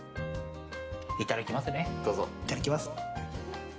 いただきます。